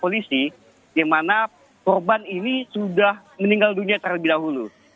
polisi di mana korban ini sudah meninggal dunia terlebih dahulu